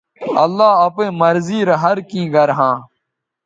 اللہ اپئیں مرضی رے ہر کیں گر ھاں